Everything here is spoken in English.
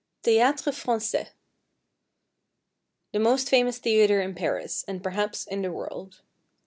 =Théâtre Français.= The most famous theatre in Paris, and, perhaps, in the world.